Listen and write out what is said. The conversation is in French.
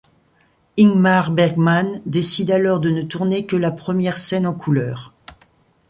Ingmar Bergman décide alors de ne tourner que la première scène en couleurs.